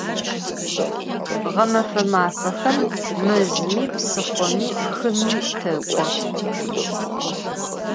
Ğemefe mafexem mezımi, psıxhomi, xımi tek'o.